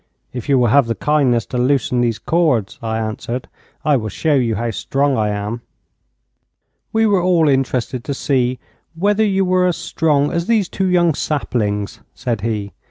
'If you will have the kindness to loosen these cords,' I answered, 'I will show you how strong I am.' 'We were all interested to see whether you were as strong as these two young saplings,' said he.